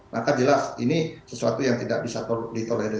maka jelas ini sesuatu yang tidak bisa ditolerir